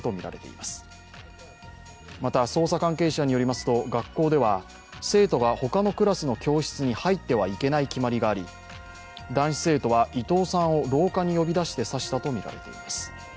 また捜査関係者によりますと学校では、生徒がほかのクラスの教室に入ってはいけない決まりがあり、男子生徒は伊藤さんを廊下に呼び出して刺したとみられています。